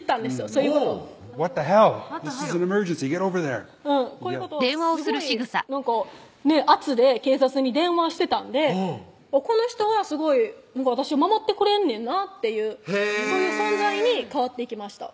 そういうことをこういうことをすごい圧で警察に電話してたんでこの人はすごい私を守ってくれんねんなっていうそういう存在に変わっていきました